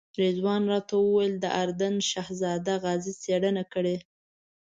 رضوان راته وویل د اردن شهزاده غازي څېړنه کړې.